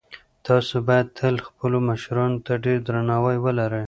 تاسو باید تل خپلو مشرانو ته ډېر درناوی ولرئ.